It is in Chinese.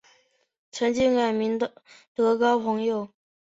曾经改名德高朋友。